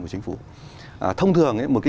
của chính phủ thông thường một cái